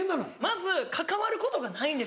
まず関わることがないんですよ。